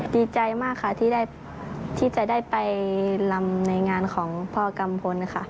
ดีใจมากค่ะที่จะได้ไปลำในงานของพ่อกัมพลค่ะ